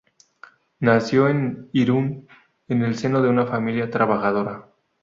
Nació en Irún, en el seno de una familia trabajadora.